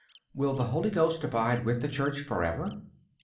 Will the Holy Ghost abide with the Church forever?